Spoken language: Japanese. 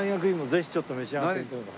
ぜひちょっと召し上がって頂きたい。